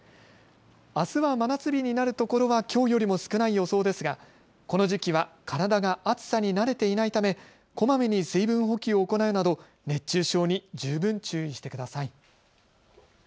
あすは真夏日になるところはきょうよりも少ない予想ですがこの時期は体が暑さに慣れていないため、こまめに水分補給を行うなど熱中症に十分注意してください。